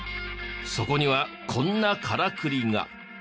そこにはこんなからくりが。